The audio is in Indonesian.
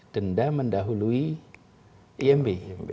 denda mendahului iab